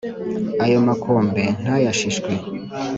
Ayo makombe ntayashishwe